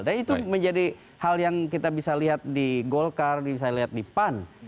dan itu menjadi hal yang kita bisa lihat di golkar bisa dilihat di pan